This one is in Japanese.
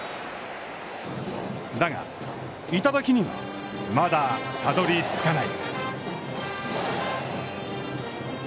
だが、頂には、まだたどりつかない。